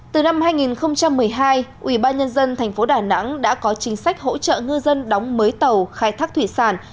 từ năm hai nghìn một mươi hai ubnd tp đà nẵng đã có chính sách hỗ trợ ngư dân đóng mới tàu khai thác thủy sản